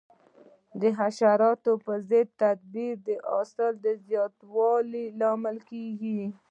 د حشراتو پر ضد تدابیر د حاصل زیاتوالي لامل کېږي.